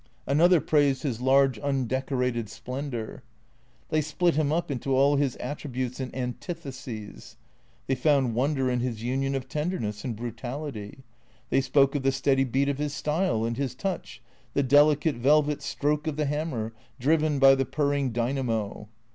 Another praised " his large undecorated splendour." They split him up into all his attributes and an titheses. They found wonder in his union of tenderness and brutality. They spoke of " the steady beat of his style," and his touch, " the delicate, velvet stroke of the hammer, driven by the purring dynamo."